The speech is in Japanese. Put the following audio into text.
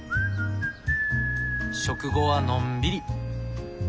食後はのんびり。